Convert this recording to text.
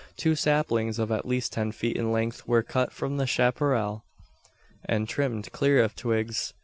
Two saplings of at least ten feet in length were cut from the chapparal, and trimmed clear of twigs.